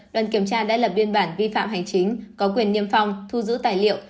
đoàn kiểm tra đã lập biên bản vi phạm hành chính có quyền niêm phong thu giữ tài liệu